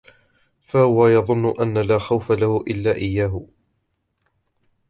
فَهُوَ يَظُنُّ أَنْ لَا خَوْفَ لَهُ إلَّا إيَّاهُ